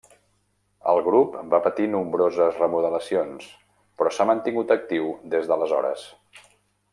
El grup va patir nombroses remodelacions, però s'ha mantingut actiu des d'aleshores.